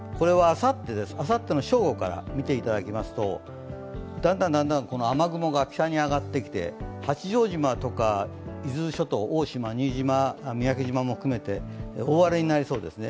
あさっての正午から見ていただきますとだんだん雨雲が北に上がってきて八丈島とか伊豆諸島、大島、新島、三宅島も含めて大荒れになりそうですね。